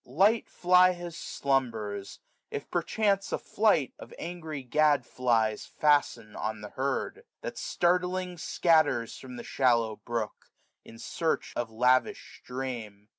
Light fly his slumbers, if perchance a flight Of angry gad flies fasten on the herd ; That startling scatters from the shallow brook, 500 In search of lavish stream.